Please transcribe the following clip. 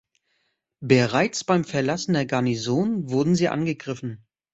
Bereits beim Verlassen der Garnison wurden sie angegriffen.